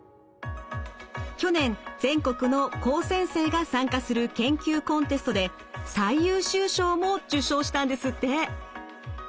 去年全国の高専生が参加する研究コンテストで最優秀賞も受賞したんですって。